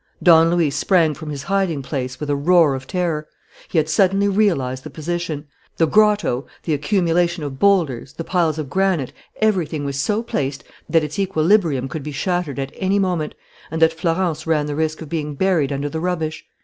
Don Luis sprang from his hiding place with a roar of terror. He had suddenly realized the position: The grotto, the accumulation of boulders, the piles of granite, everything was so placed that its equilibrium could be shattered at any moment, and that Florence ran the risk of being buried under the rubbish.